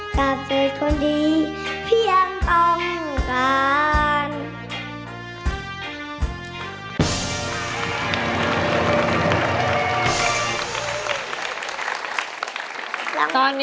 กลับเต๋วโทษดีพี่ยังต้องการ